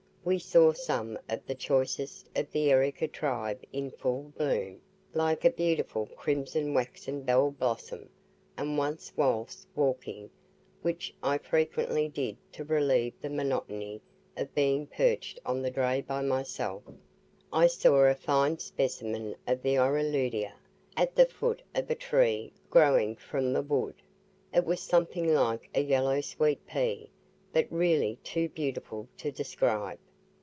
We saw some of the choicest of the ERICA tribe in full bloom, like a beautiful crimson waxen bell blossom, and once whilst walking (which I frequently did to relieve the monotony of being perched on the dray by myself) I saw a fine specimen of the ORELUDIAE at the foot of a tree growing from the wood; it was something like a yellow sweet pea, but really too beautiful to describe.